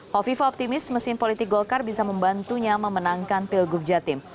hovifa optimis mesin politik golkar bisa membantunya memenangkan pilgub jatim